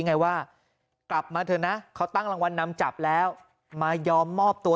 ไงว่ากลับมาเถอะนะเขาตั้งรางวัลนำจับแล้วมายอมมอบตัว